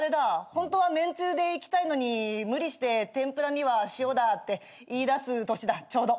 ホントは麺つゆでいきたいのに無理して「天ぷらには塩だ」って言いだす年だちょうど。